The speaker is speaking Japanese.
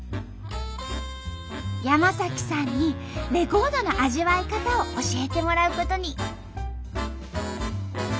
山さんにレコードの味わい方を教えてもらうことに。